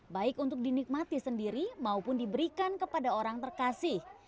baik untuk dinikmati sendiri maupun diberikan kepada orang terkasih